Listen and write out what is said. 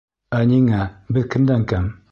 Ә ниңә, беҙ кемдән кәм?